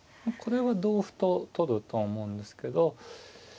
これは同歩と取ると思うんですけど